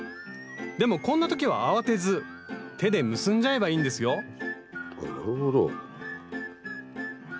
でもこんな時は慌てず手で結んじゃえばいいんですよあっなるほど。